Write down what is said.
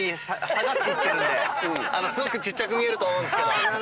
すごくちっちゃく見えると思うんですけど。